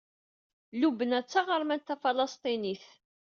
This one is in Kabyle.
Lubna d taɣermant tafalesṭinit.